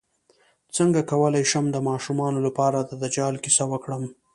څنګه کولی شم د ماشومانو لپاره د دجال کیسه وکړم